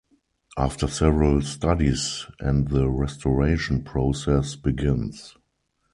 After several studies and the restoration process begins.